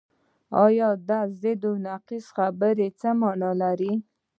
دا ضد و نقیض خبرې څه معنی لري؟